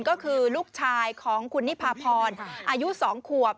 ก็คือลูกชายของคุณนิพาพรอายุ๒ขวบ